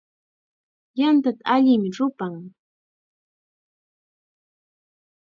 Yantata allim rupan.